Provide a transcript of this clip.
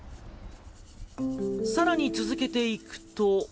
さらに続けていくと。